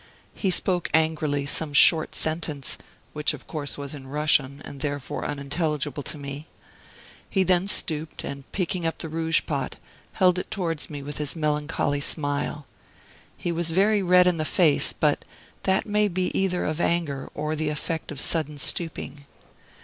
He spoke angrily some short sentence, which of course was in Russian, and therefore unintelligible to me. He then stooped, and picking up the rouge pot, held it towards me with his melancholy smile. He was very red in the face; but that may have been either anger or the effect of sudden stooping.